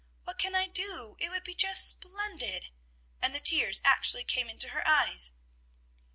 What can I do? it would be just splendid!" And the tears actually came into her eyes.